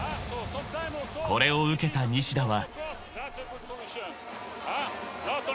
［これを受けた西田は］